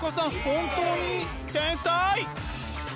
本当に天才！